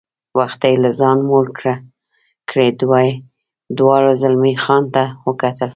وختي لا ځان موړ کړی، دوی دواړو زلمی خان ته وکتل.